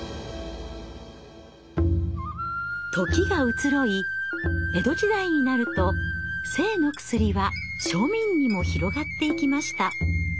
時が移ろい江戸時代になると性の薬は庶民にも広がっていきました。